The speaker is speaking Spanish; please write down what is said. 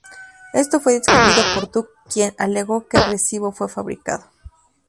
Esto fue discutido por Dux, quien alegó que el recibo fue fabricado.